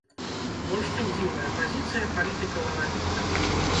Больш чым дзіўная пазіцыя палітыкаў-аналітыкаў!